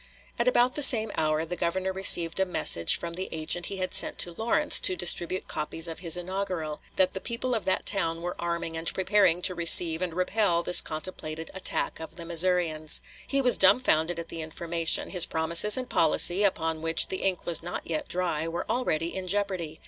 " At about the same hour the Governor received a message from the agent he had sent to Lawrence to distribute copies of his inaugural, that the people of that town were arming and preparing to receive and repel this contemplated attack of the Missourians. He was dumfounded at the information; his promises and policy, upon which, the ink was not yet dry, were already in jeopardy.